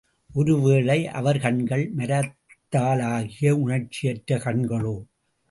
ஒரு வேளை அவர் கண்கள் மரத்தாலாகிய உணர்ச்சியற்ற கண்களோ?